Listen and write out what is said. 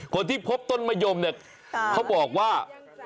คนที่พบต้นมะย่มเขาบอกว่า